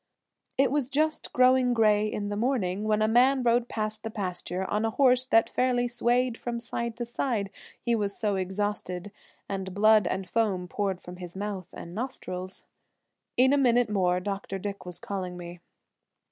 It was just growing gray in the morning when a man rode past the pasture on a horse that fairly swayed from side to side, he was so exhausted, and blood and foam poured from his mouth and nostrils. In a minute more Dr. Dick was calling me.